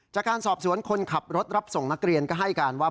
จากการสอบสวนคนขับรถรับส่งนักเรียนก็ให้การว่า